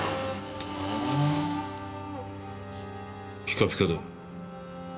ピカピカだ。